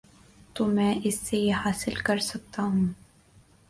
تو میں اس سے یہ حاصل کر سکتا ہوں۔